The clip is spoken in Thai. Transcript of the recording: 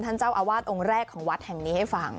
ท่านเจ้าอาวาสองค์แรกของวัดแห่งนี้ให้ฟัง